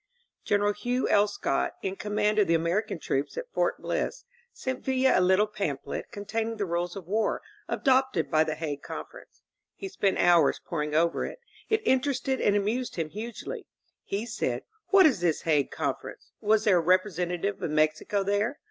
General Hugh L. Scott, in command of the Ameri can troops at Fort Bliss, sent Villa a little pamphlet containing the Rules of War adopted by the Hague Conference. He spent hours poring over it. It interested and amused him hugely. He said : What is this Hague Conference? Was there a representative of Mexico there?